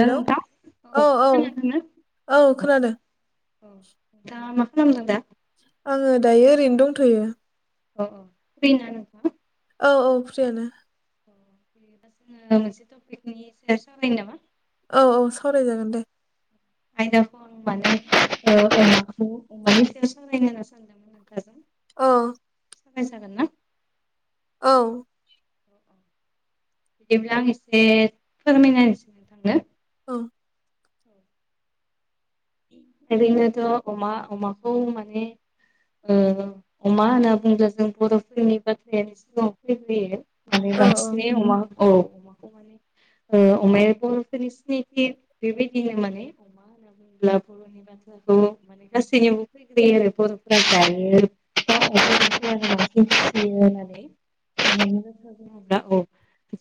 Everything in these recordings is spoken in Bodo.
हेल' औ औ औ खोनादों। नोंथाङा मा खालाम खालामदों दा? आङो दायो ओरैनो दंथ'यो। अ फ्रि ना? औ औ फ्रियानो। बिबा जोङो मोनसे टपिकनि सायाव सावरायनो नामा? औ औ सावरायजागोन दे। आयदाखौ आं माने ओ अमाखौ अमानि सायाव सावरायनो होनना सानदोंमोन नोंथां। औ सावराय जागोन ना? औ औ औ बिदिब्ला आं एसे फोरमायनानै [unintelligible] औ ओरैनोथ' अमा अमाखौ माने ओ अमा होनना बुङोब्ला जों बर'फोरनि बाथ्रायानि सिगाङाव फैग्रोयो। माने औ बांसिनै अमा औ अमा ओ अमाया बर'फोरनि सिनायथि बेबायदिनो माने [unintelligible] बिदिब्ला बर'नि बाथ्राखौ माने गासैनियावबो फै फैग्रोयो आरो बर'फोरा जायो [unintelligible] होननानै। अमानि बाथ्रा बुङोब्ला औ।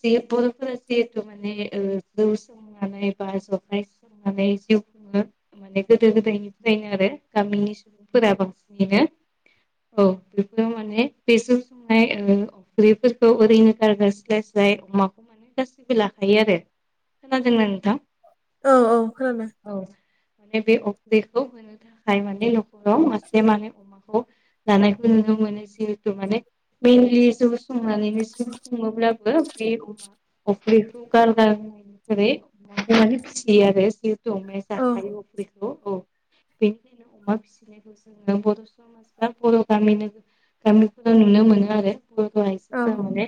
जे बर'फोरा जिहेथु माने ओ [unintelligible] नानै बा जौखाय संनानै जिउ खुङो माने गोदो गोदायनिफ्रायनो आरो गामिनि सुबुंफोरा बांसिनैनो औ बेखौ माने बेजों संनाय ओ औ अफ्रिफोरखौ ओरैनो गारगार स्लाय स्लाय अमाखौ मोनो गासैबो लाखायो आरो। खोनादों नोंथां? औ औ खोनादों। औ माने बे अफ्रिखौ होनो थाखाय माने न'खराव मासे माने अमाखौ लानायखौ नुनो मोनो जिहेथु माने मेनलि जौ संनानैनो जिउ खङोब्ला बो बे अफ्रिखौ गारगारनाय [unintelligible] जिहेथु अमया औ जा जायो अफ्रि खौ औ बेनिखायनो अमा फिसिनाय जों बर' समाजा बर' गामि नो गामिफोराव नुनो मोनो आरो। बर' औ आयजोफोरा माने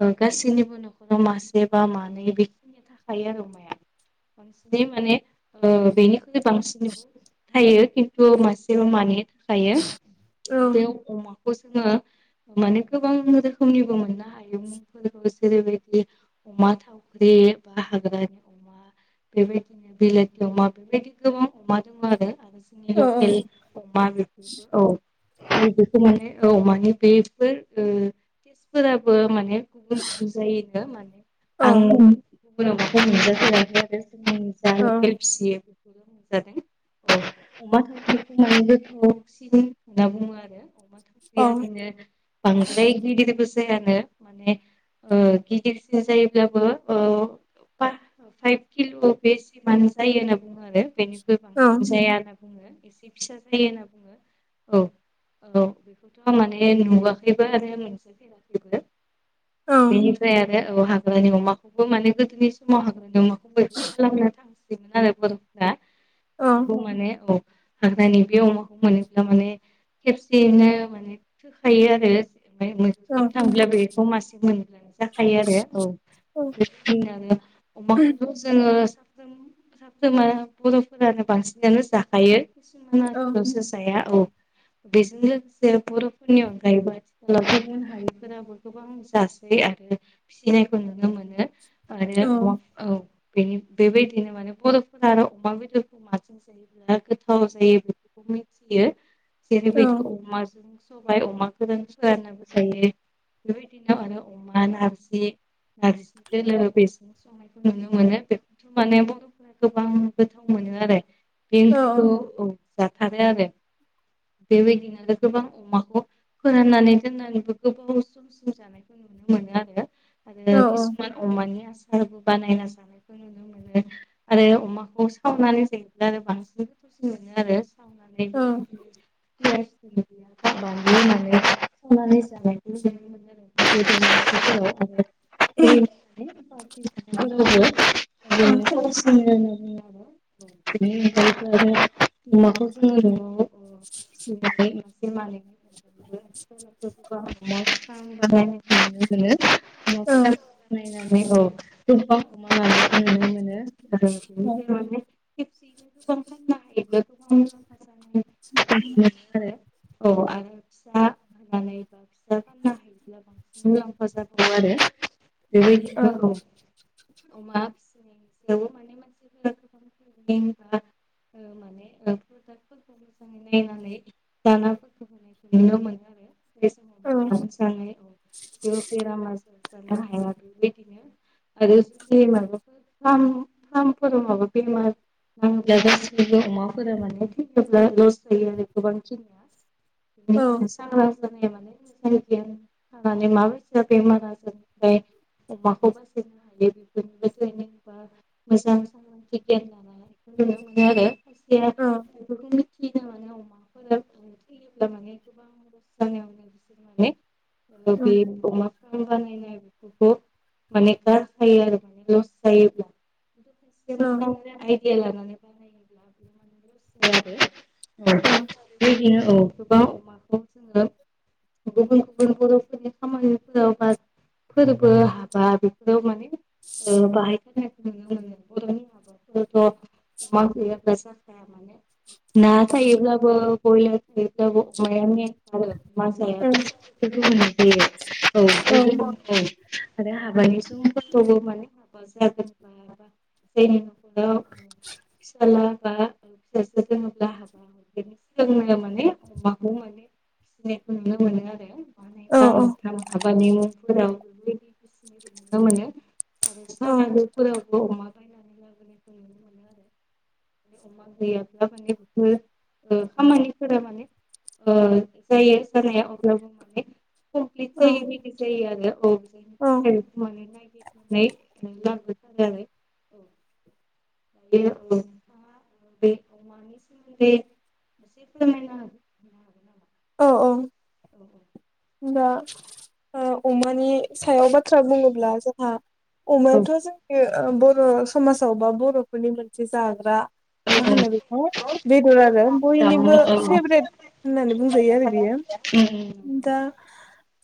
ओ गासैनिबो न'खराव मासे बा मानै बेखिनिया थाखायो आरो अमाया। मोनसे माने ओ बेनिख्रुइ बांसिन थायो खिन्थु मासेबो मानै थाखायो। औ बे अमाखौ जोङो माने गोबां रोखोमनिबो मोनानो आयुं फोर जेरैबायदि अमा थावख्रि, बा हाग्रानि अमा बेबायदिनो बिलाथि अमा बेबायदि गोबां अमा दं आरो जोंनि औ लकेल अमा बेफोरबो औ औ बखौ माने औ माने बेफोर ओ [unintelligible] गुबुन गुबुन जायोनो माने औ आं गुबुनाव बेखौ मोनजाख आरो जों जा लकेल फियो [unintelligible] औ अमा थावख्रिखौ माने गोथावसिन होनना बुङो आरो। अमा थावखिरिया ओरैनो बांद्राय गिदिरबो जायानो माने ओ गिदिरसिन जायोब्लाबो ओ फा-फाइभ किल' बेसेमान जायो नामा बुङो आरो बेनिबो बांसिन जाया होनना बुङो एसे फिसा जायो होनना बुङो। औ औ बेखौथ' माने नुवाखैबो आरो मोनसे [unintelligible] औ बेनिफ्राय आरो औ हाग्रानि अमाखौबो माने गोदोनि समाव हाग्रा दङ बयबो खालामनो थांसोयोमोन आरो बो रा बेखौ औ माने औ हाग्रानि बे अमाखौ माने थारमाने खेबसेयैनो माने थोखायो आरो। ओमफ्राय मोन थाम थांब्लाबो बेखौ मासे मोनजाखायो आरो औ [unintelligible] अमाखौ औ जोङो सा जों फोरमा बर'फोरानो बांसिनानो जाखायो किसुमान ल'सो जाया औ बेजों लोगोसे बर'फोरनि अनगायैबो आथिखालाव गुबुन हारिफोराबो गोबां जासै आरो फिसिनायखौ नुनो मोनो। आरो औ बेनि बेबायदिनो माने बर' आरो अमा बेदरफोरखौ माजों सङोब्ला गोथाव जायो बेखौ मोनथियो। जेरैबायदि अमाजों साबाय अमा गोरान फोरानो मोजां ने? बेफोरबायदिनो आरो अमा नारजि नारजि दोलो बे खौ नुनो मोनो बेथ' माने बर'फोरा गोबां गोथाव मोनो आरो बे ओंख्रिखौ औ जाथारो आरो। बेबायदिनो गोबां अमाखौ फोराननानै दोननानैबो गोबाव सम सम जानाय नुनो मोनो आरो। आरो किसुमान अमानि आसारबो बानायना जानायखौ नुनो मोनो। आरो अमाखौ सावनानै जायोब्ला आरो बांसिन गोथावसिन मोनो आरो। माने बेबायदिनो [unintelligible] सावनानै जानायखौ नुनो मोनो [unintelligible] [unintelligible] [unintelligible] आरो अमाखौ जोङो न'आव फिसिनानै [unintelligible] नुनो मोनो। न' [unintelligible] नायनानै औ दंफांखौ [unintelligible] बेनिफ्राय माने खेबसेयैनो गोबां [unintelligible] हायो गोबां मुलामफा जानाय मोनो आरो औ आरो फिसा होनानै बा फिसा फाननो हायोब्ला बांसिन मुलाम्फा जागौ आरो बेबायदिनो औ [inaudible] अमा [unintelligible] माने मानसिफोरा गोबां रोखोमनि [unintelligible] ओ माने [unintelligible] मोजाङै नायनानै दानाफोरखौ होनायखौ नुनो मोनो आरो। [unintelligible] औ जेबो बेराम आजार जानो हाया बेबायदिनो आरो जुदि [unintelligible] फोरखौ फार्म फार्मफोराव माबा [unintelligible] [unintelligible] गासैबो अमाफोरा माने थैयोब्ला लस जायो आरो गोबां खिनिया बेनिखायनो सांग्रां जानाया माने मोजां जायो आरो माने माबायसा बेमार आजारनिफ्राय अमाखौ बासायनो हायो बेफोरनिबो ट्रेनिं बा मोजां सांग्रांथि गियान लानायखौ नुनो मोनो आरो खायसेया बेफोरखौनो थैदो माने अमाफोर थैयोब्ला माने गोबां लस जानायावनो बिसोर माने ओ बे अमा [unintelligible] बेफोरखौ माने गारफायो आरो माने लस जायोब्ला। एसे मोजाङै आइदिया लानानै बानायोब्ला बि माने लस जाया आरो। औ बेबायदिनो औ। गोबां अमाखौ जोङो गुबुन गुबुन बर'फोरनि खामानिफोराव बा फोरबो हाबा बेफोराव माने ओ बाहायथारनायखौ नुनो मोनो। बर'नि हाबाफोरावथ' अमा गैयाबा जाखाया माने। ना थायोब्लाबो बर'नि हाबायाव अमाया मेन। आरो मा [unintelligible] जायो औ औ आरो हाबानि सुबुंफोरखौबो माने माबा जागोन जायनि न'खराव ओ फिसाला बा फिसाजो दोङोब्ला हाबा बिनो सोलोंनाया माने अमाखौ माने फिनायखौ नुनो मोनो आरो। मानै बा माथाम हाबानि मुंफोराव नुनो मोनो आरो औ सारादुफोरावबो अमा बेखौ नुनो मोनो आरो अमा गैयाब्ला माने बिफोर ओ खामानिफोरा माने ओ जायो जानाया अब्लाबो माने कमप्लिट औ जायिबादि जायो आरो औ बिसिनि औ थाखायनो बेखौ बानायनाय [unintelligible] बे ओ नोंथाङा बे अमानि सोमोन्दै एसे फोरमायनो हागोनना? औ औ। औ होमब्ला ओ अमानि सायाव बाथ्रा बुङोब्ला जोंहा अमायाथ' जोंनि ओ बर' समाजाव बा बर'फोरनि मोनसे जाग्रा मा औ औ होनो बेखौ बेदर आरो जामुं औ नंगौ औ नंगौ औ नंगौ औ बयनिबो फेब्रेट होननानै बुंजायो आरो बियो। उम उम। दा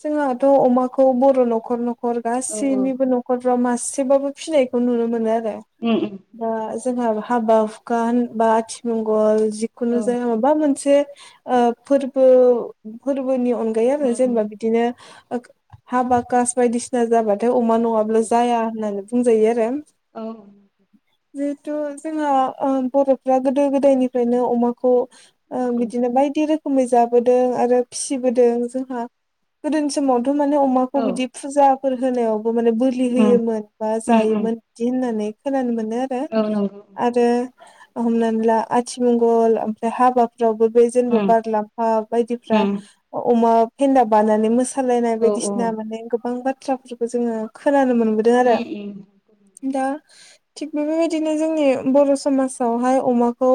जोंहाथ' अमाखौ बर' न'खर न'खर गासैनिबो नख रफ्राव मासेबाबो फिनायखौ नुनो मोनो आरो। उम उम। बा जोंहा हाबा हुखा होनबा आथिमंगल जिखुनु जाया माबा मोनसे ओ फोरबो फोरबोनि अन गायै आरो जेनेबा बिदिनो ओ हाबा खास बायदिसिना जाबाथाय अमा न ङाब्लानो जाया होननानै बुंजायो आरो। औ। जिहेथु जोंङो ओ बर'फ्रा गोदो गोदायनिफ्रायनो अमाखौ ओं बिदिनो बायदि रोखोमै जाबोदों आरो फिसिबोदों जोंहा गोदोनि समावथ' माने अमाखौ बिदि फुजाफोर होनायावबो माने बोर लि होयोमोन बा जायोमोन बिदि होननानै खोनानो मोनो आरो। औ नोंगौ। आरो हमनानै ला आथिमंगल ओमफ्राय हाबा बादिफ्रावबो बे जेनेबा बारलाम्फा बायदिफ्रा अमा फेन्दा बानानै मोसा सालायनाय बायदिसिना माने गोबां बाथ्राफोरखौ जोंङो खोनानो मोनबोदों आरो। दा थिग बेफोरबायदिनो जोंनि बर' समाजावहाय अमाखौ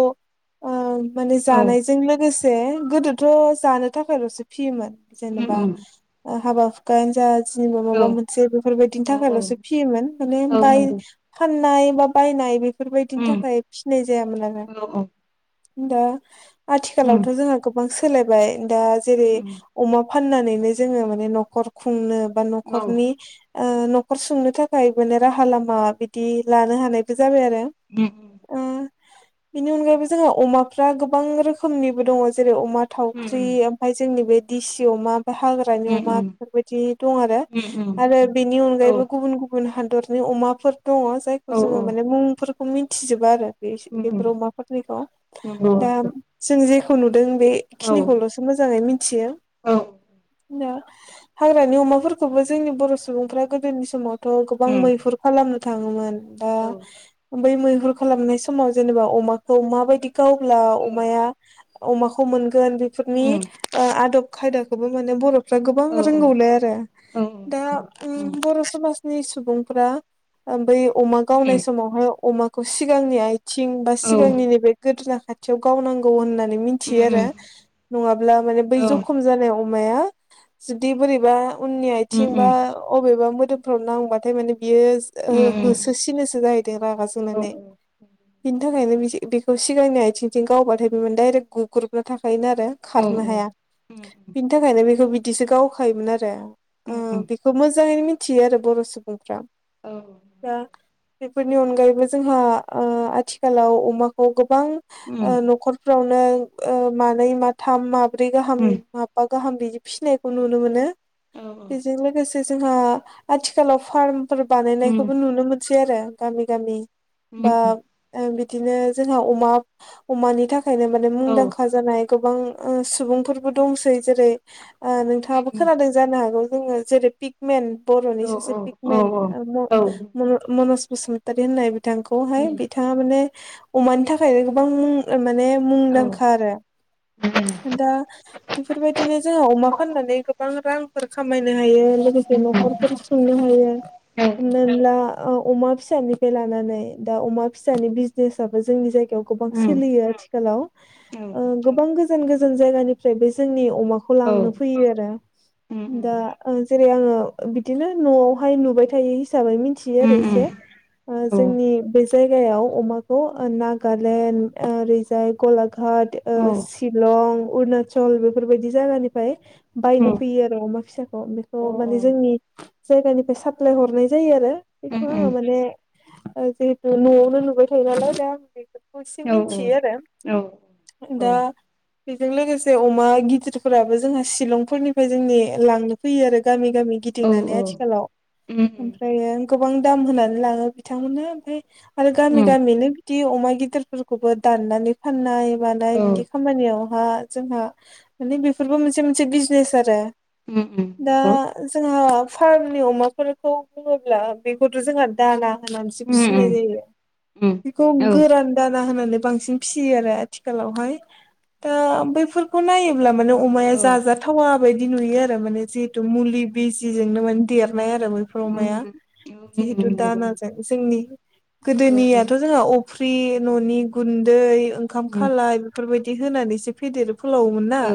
ओं माने जानायजों लोगोसे गोदोथ' जानो थाखायल'सो फियोमोन। जेनेबा ओ हाबा हुखायानो जा थिनिबा माबा मोनसे बेफोरबायदिनि थाखायल'सो फियोमोन। माने बाय फाननाय बा बायनाय बेफोरबायदिनि थाखाय फिसिनाय जायामोन आरो। दा आथिखालावथ' जोंहा गोबां सोलायबाय। दा जेरै अमा फाननानैनो जोंङो माने न'खर खुंनो बा न'खरनि ओ न'खर सुंनो थाखाय माने राहा लामा बिदि लानो हानायबो जाबाय आरो। [unintelligible] ओ, बिनि अनगायैबो जोंहा अमाफ्रा गोबां रोखोमनिबो दङ' जेरै अमा थावख्रि ओमफाय जोंनि बे दिसि अमा बा हाग्रा ग्रानि अमा बेफोरबायदि दं आरो। आरो बेनि अनगायैबो गुबुन गुबु बुन हादरनि अमाफोर दङ'। जायखौ जोंङो माने मुंफोरखौ मिन्थिजोबा आरो। बे एस एफोर अमाफोरनिखौ। दा जों जेखौ नुदों बेखिनिखौल'सो मोजांङै मिन्थियो। नो। हाग्रानि अमाफोरखौबो जोंनि बर' सुबुंफ्रा गोदोनि समावथ' गोबां मैहुर खालामनो थांङोमोन। दा बै मैहुर खालामनाय समाव जेनेबा अमाखौ माबायदि गावब्ला अमाया अमाखौ मोनगोन बेफोरनि ओ आदब खायदाखौबो माने बर'फ्रा गोबां रोंगौलाय आरो। दा उम्म बर' समाज नि सुबुंफ्रा ओ बै अमा गावनाय समावहाय अमाखौ सिगांनि आइ थिं बा सिगांनि औ नैबे गोदोना खाथि याव गावनांगौ होननानै मिन्थियो आरो। नङाब्ला माने बै औ औ ज खम जानाय अमाया जुदि बोरैबा उननि उम आइथिं बा अबेबा मोदोमफ्राव नांबाथाय माने बियोस उम उम हो-होसोसिनोसो जाहैदों रागा औ जोंनानै। बिनि थाखायनो बि बेखौ सिगांनि आइथिंजों गावबाथाय बे माने डायरेक्ट गुग्रुबना थाखायोनो आरो। औ खारनो हाया। उम बिनि थाखायनो बेखौ बिदिसो गावखायोमोन आरो। उम ओ उम बेखौ मोजाङैनो मि थियो आरो बर' सुबुंफ्रा। औ दा बेफोरनि अनगायैबो जोंहा ओ आथिखालाव अमाखौ गोबां उम ओ न'खर फ्रावनो ओ मानै, माथाम, माब्रै गाहाम उम बा गाहाम बिदि फिसिनायखौ नुनो मोनो। औ बेजों लोगोसे से जोंहा आथिखालाव फार्मफोर उम बानायनायखौबो नुनो मोनसै आरो गामि गामि। उम बा उम ओ बिदिनो जोंहा अमा अमानि थाखायनो माने औ मुंदांखा जानाय गोबां ओ सुबुंफोरबो दंसै जेरै ओ नोंथाङाबो खोनादों जानो हागौ जोङो जेरै पिग मेन बर'नि औ सासे औ पिगमेन ओ उम औ म-मन-मनज बसुमतारी होननाय बिथांखौ खौहाय उम बिथाङा माने अमानि थाखायनो गोबां मुं माने उम औ उम औ मुंदांखा आरो। [unintelligible] दा बेफोरबायदिनो जोंहा अमा फाननानै गोबां रां फोर खामायनो हायो लोगोसे उम न'खरफोर सुंनो हायो। हमनानै ला, ओ अमा फिसानिफ्राय लानानै दा अमा फिसानि बिजनेसाबो जोंनि जायगा देव गोबां सोलियो आथिखालाव ओ गोबां गोजान गोजान जायगानिफ्राय बे जोंनि अमा बेखौ लांनो फैयो आरो। दा उम ओ जेरै आङो बिदिनो न'आवहाय नुबाय थायो हिसाबै मिथियो आरो उम एसे। उम ओ औ जोंनि बे जायगायाव अमाखौ नागालेण्ड ओरैजाय गलाघाट ओ उम शिलं अरुनाचल बेफोरबायदि जायगानिफ्राय बायनो फैयो आरो अमा फिसाखौ। बेखौ माने जोंनि जायगानिफ्राय साप्लाय हरनाय जायो आरो। अ उम बेखौ आङो माने ओ जिहेतु न'आवनो नुबाय थायो नालाय दा आं बे खौ एसे औ मिथियो औ आरो दा औ उम बेजों लोगोसे अमा गिदिरफोराबो जोंहा शिलंफोरनिफ्राय जोंनि लांनो फैयो आरो। गामि गामि गिदिंनानै आथिखालाव ओमफ्राय गोबां दाम होनानै लाङो बिथांमोननो ओमफ्राय आरो गामि उम गामिनो बिदि अमा गिदिरफोरखौबो दाननानै फाननाय मानाय औ बिदि खामानियावहा जोंहा माने बेफोरबो मोनसे मोनसे बिजनेस आरो। उम उम नंगौ दा जोंहा फार्मनि अमाफोरखौ बुङोब्ला बेखौथ' जोंहा दाना होनानैसो उम फिसिनाय उम जायो। उम बेखौ गोरान दाना होनानै बांसिन फिसियो आरो आथिखालावहाय। दा बैफोरखौ नायोब्ला माने अमाया औ औ जाजाथावा बायदि नुयो आरो माने जि थु मुलि बिजिजोंनो माने देरनाय आरो बैफोर उम अमाया उम उम जिहेतु नंगौ दाना जों जोंनि औ गोदोनियाथ' जोंहा अफ्रि न'नि गुन्दै ओंखाम उम खालाय बेफोरबायदि होनानैसो फेदेर फोलावोमोन ना। औ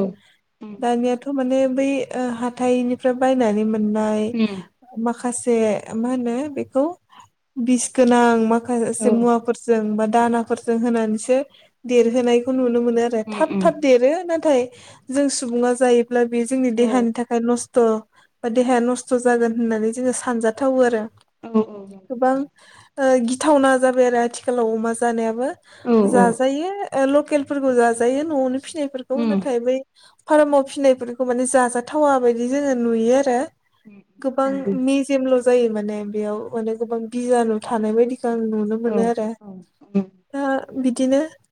उम दानियाथ' माने बै ओ हाथाइनिफ्राय बायनानै मोननाय उम माखासे मा होनो बेखौ बिस गोनां माखासे औ मुवाफोर जों बा दानाफोरजों होनानैसो देरहोनायखौ नुनो मोनो। उम थाब उम थाब देरो नाथाय जों सुबुङा जायोब्ला बे जोंनि औ देहानि थाखाय नस्थ' बा देहाया नस्थ' जागोन होननानै जोङो सानजाथावो आरो। औ नंगौ गोबां गिथावना जाबाय आरो आथिखालाव अमा जानायाबो। नंगौ औ जाजायो ओ लकेलफोरखौ जाजायो न'आवनो फिसिनायफोरखौ। उम नाथाय बै फार्माव फिसिनायफोरखौ माने जाजाथावा बायदि जोङो नुयो आरो। गोबां नंगौ मेजेमल' जायो माने बेयाव माने गोबां बिजानु थानाय बायदि जों नुनो मोनो आरो औ औ उम दा बिदिनो